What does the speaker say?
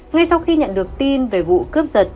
ngay sau khi nhận được tin về vụ cướp giật